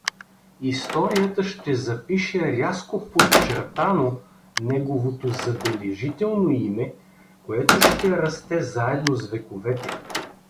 Историята ще запише рязко подчертано неговото забележително име, което ще расте заедно с вековете.